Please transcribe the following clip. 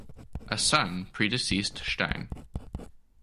A son predeceased Stein.